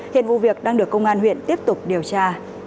hiện vụ việc đang được công an huyện tiếp tục điều tra